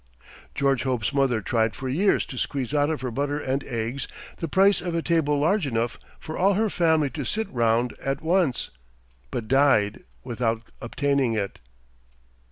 George Hope's mother tried for years to squeeze out of her butter and eggs the price of a table large enough for all her family to sit round at once, but died without obtaining it.